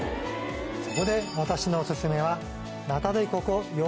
そこで私のお薦めは。